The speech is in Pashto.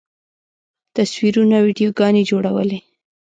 تصویرونه، ویډیوګانې جوړولی